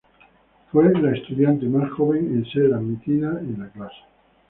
Fue la estudiante más joven en ser admitida en la clase.